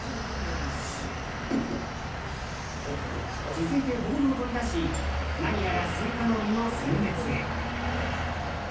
続いてボウルを取り出し何やらスイカの実の選別へ。